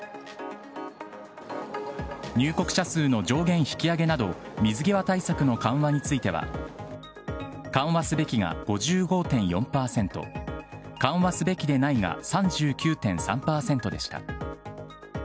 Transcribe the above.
入国者数の上限引き上げなど、水際対策の緩和については、緩和すべきが５５．４％、緩和すべきでないが３９．３％でした。